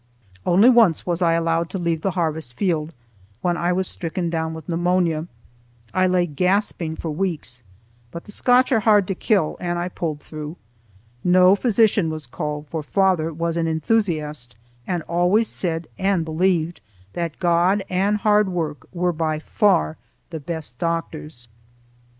Only once was I allowed to leave the harvest field—when I was stricken down with pneumonia. I lay gasping for weeks, but the Scotch are hard to kill and I pulled through. No physician was called, for father was an enthusiast, and always said and believed that God and hard work were by far the best doctors.